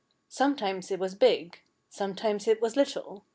Sometimes it was big. Sometimes it was little.